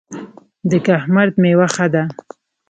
د کهمرد میوه ښه ده